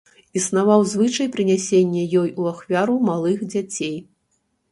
Існаваў звычай прынясення ёй у ахвяру малых дзяцей.